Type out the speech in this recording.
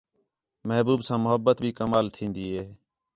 محبوب ساں محبت بھی کمال تھین٘دی ہے